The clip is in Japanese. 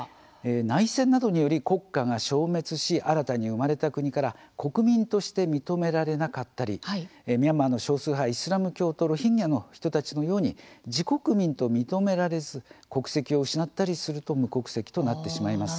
内戦などにより国家が消滅し新たに生まれた国から国民として認められなかったりミャンマーの少数派イスラム教徒ロヒンギャの人たちのように自国民と認められず国籍を失ったりすると無国籍となってしまいます。